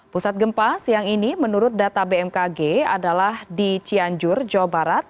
pusat gempa siang ini menurut data bmkg adalah di cianjur jawa barat